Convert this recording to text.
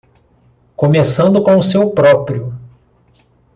Começando com o seu próprio.